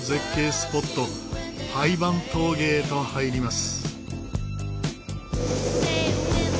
スポットハイヴァン峠へと入ります。